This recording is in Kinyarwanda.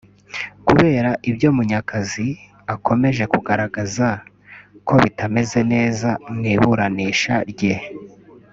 Kubera ibyo Munyakazi akomeje kugaragaza ko bitameze neza mu iburanisha rye